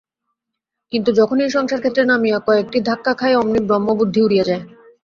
কিন্তু যখনই সংসারক্ষেত্রে নামিয়া কয়েকটি ধাক্কা খাই, অমনি ব্রহ্মবুদ্ধি উড়িয়া যায়।